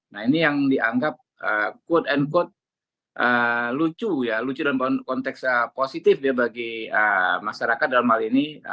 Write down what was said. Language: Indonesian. nah ini yang dianggap quote unquote lucu dan konteks positif bagi masyarakat dalam hal ini